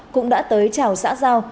cũng đã tới chào xã giao